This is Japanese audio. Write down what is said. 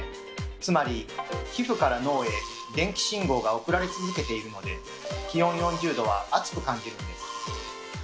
つまり皮膚から脳へ電気信号が送られ続けているので気温４０℃は暑く感じるんです。